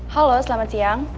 halo selamat siang